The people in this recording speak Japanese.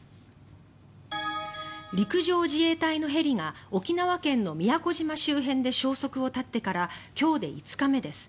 陸上自衛隊のヘリが沖縄県の宮古島周辺で消息を絶ってから今日で５日目です。